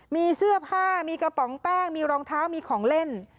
มีเสื้อผ้ามีกระป๋องแป้งมีรองเท้ามีของเล่น